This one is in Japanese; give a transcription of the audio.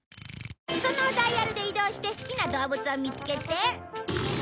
そのダイヤルで移動して好きな動物を見つけて。